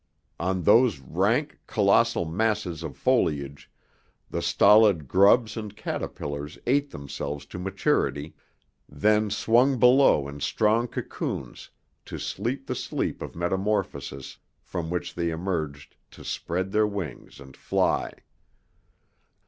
On those rank, colossal masses of foliage, the stolid grubs and caterpillars ate themselves to maturity, then swung below in strong cocoons to sleep the sleep of metamorphosis from which they emerged to spread their wings and fly.